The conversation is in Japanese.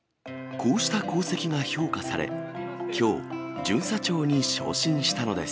こうした功績が評価され、きょう、巡査長に昇進したのです。